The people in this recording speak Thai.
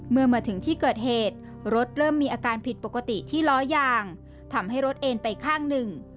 เมื่อมาถึงที่เกิดเหตุรถเริ่มมีอาการผิดปกติที่ล้อยางทำให้รถเอ็นไปข้างหนึ่ง